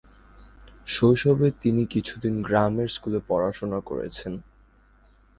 শৈশবে তিনি কিছুদিন গ্রামের স্কুলে পড়াশুনা করেছেন।